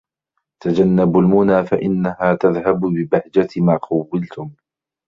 تَجَنَّبُوا الْمُنَى فَإِنَّهَا تَذْهَبُ بِبَهْجَةِ مَا خُوِّلْتُمْ